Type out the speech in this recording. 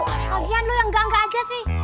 lagian lo yang gangga aja sih